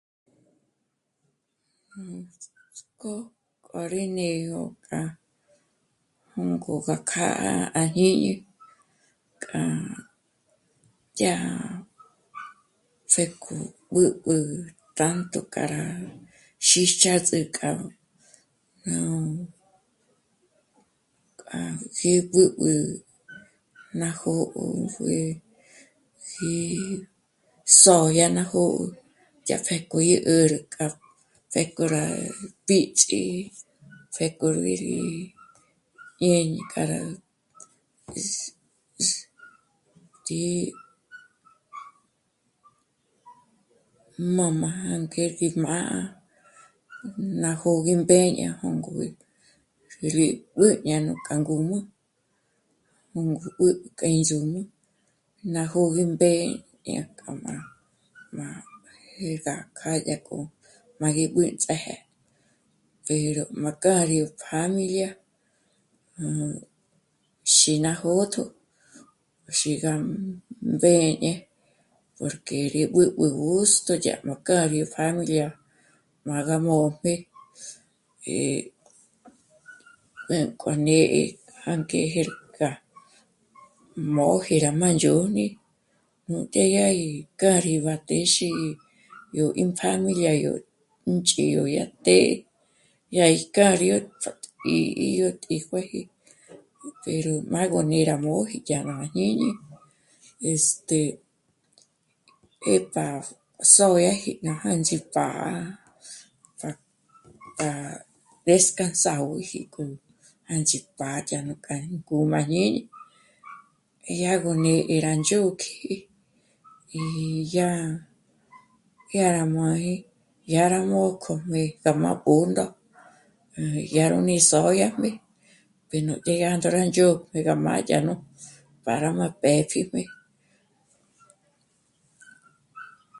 Nuts'k'ó k'a rí né'egö rá jûnk'o gá kjâ'a à jñíñi k'a yá... pjék'o gú b'ǘ' t'ánto k'a rá xích'azü k'a nú... nú k'a b'ǚb'ü ná jó'o juë̌ji sódya ná jó'o yá pjék'o gí 'ä́rü k'a pjék'o rá píts'i, pjék'o 'í rí ñé k'a rá s..., s..., tí'i, mā́mā ngé gí jm'â'a ná jó'o gí mbéño jôngobi rí b'ǘ' k'a ño já ngǔm'ü, júngo b'ǘ' k'a ñú ch'úm'ü ná jôgü mbé'e ñé k'a má, má jêrga k'â'a dyájkjo má gí b'ǘnts'áje pero má k'â rí 'ó pjámilia nú xî'i nó jó'otjo xí gá mbéñe porque rí b'ǚb'ü gusto dyá'k'a nú k'ário nú pjámilia má gá mójm'e, eh... b'ǘnk'o né'e jângé jêrga môji rá má ndzhôni nú të́'ë yá 'í k'a rí bá téxi yó ímpjámilia ínch'ídyo të́'ë yá í k'ário pótpji yó tíjuëji pero má gó né'e rá móji dyáb'a à jñíñi. Este... 'é pa sódyaji ná jândzhi pà'a pa, pa déscansagöji k'o jândzhi pádya k'a 'í k'o à jñíñi, dyá gó né'e k'a rá ndzhôk'i í yá... yá rá m'áji dyá rá mójkojmé k'a má b'ǘndo, má yá ro ní sódya pero ngé má ngôra ndzhôd'ü ngé gá má dyó'o para má pë́pjijmé